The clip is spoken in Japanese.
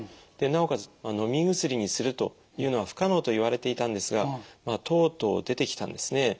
でなおかつのみ薬にするというのは不可能といわれていたんですがとうとう出てきたんですね。